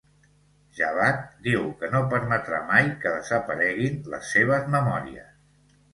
Javad diu que no permetrà mai que desapareguin les seves memòries.